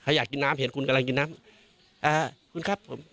อยากกินน้ำเห็นคุณกำลังกินน้ำอ่าคุณครับผม